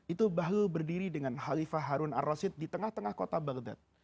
itu bahlul berdiri dengan khalifah harun ar rasid di tengah tengah kota bagdad